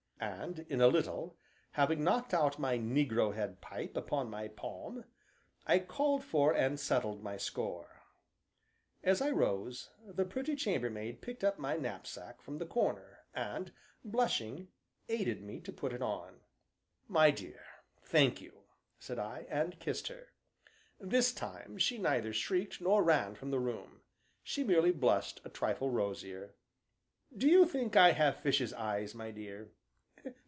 And, in a little, having knocked out my negro head pipe upon my palm, I called for and settled my score. As I rose, the pretty chambermaid picked up my knapsack from the corner, and blushing, aided me to put it on. "My dear, thank you," said I, and kissed her. This time she neither shrieked nor ran from the room; she merely blushed a trifle rosier. "Do you think I have fishes' eyes, my dear?"